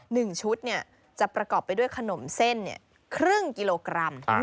หนึ่งชุดเนี่ยจะประกอบไปด้วยขนมเส้นครึ่งกิโลกรัม